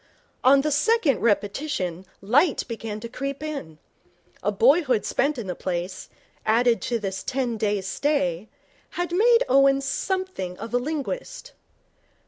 On the second repetition light began to creep in. A boyhood spent in the place, added to this ten days' stay, had made Owen something of a linguist.